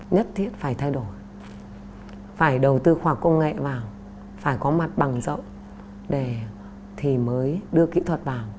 nhất thiết phải thay đổi phải đầu tư khoa học công nghệ vào phải có mặt bằng rộng để mới đưa kỹ thuật vào